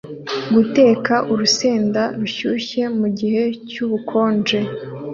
Guteka urusenda rushyushye mugihe cy'ubukonje!